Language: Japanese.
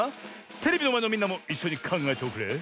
テレビのまえのみんなもいっしょにかんがえておくれ。